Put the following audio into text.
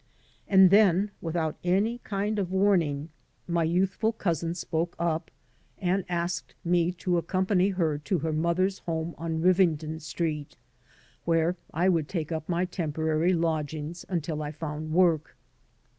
And then, without any kind of warning, my youthful cousin spoke 64 FIRST IMPRESSIONS up and asked me to accompany her to her mother's home on Rivington Street, where I would take up my temporary lodgings until I found work.